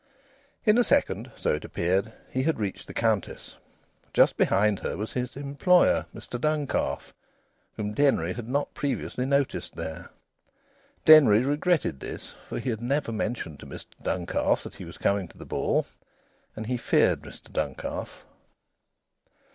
In a second so it appeared he had reached the Countess. Just behind her was his employer, Mr Duncalf, whom Denry had not previously noticed there. Denry regretted this, for he had never mentioned to Mr Duncalf that he was coming to the ball, and he feared Mr Duncalf.